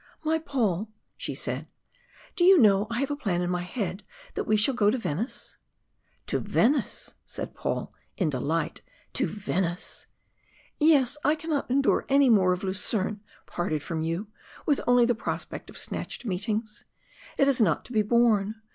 "My Paul," she said, "do you know I have a plan in my head that we shall go to Venice?" "To Venice!" said Paul in delight. "To Venice!" "Yes I cannot endure any more of Lucerne, parted from you, with only the prospect of snatched meetings. It is not to be borne.